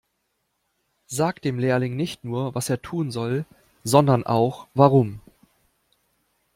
Sag dem Lehrling nicht nur, was er tun soll, sondern auch warum.